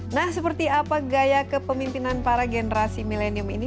nah seperti apa gaya kepemimpinan para generasi milenium ini